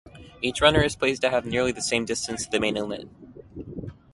Each runner is placed to have nearly the same distance to the main inlet.